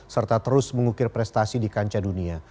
serta terus mengukir prestasi di kancah dunia